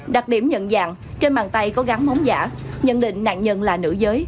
đặc điểm nhận dạng trên bàn tay có gắn bóng giả nhận định nạn nhân là nữ giới